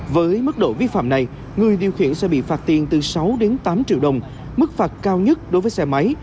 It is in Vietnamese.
với mức độ vi phạm này người điều khiển sẽ bị phạt tiền từ sáu tám triệu đồng mức phạt cao nhất đối với xe máy